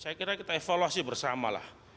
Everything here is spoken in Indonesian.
saya kira kita evaluasi bersama lah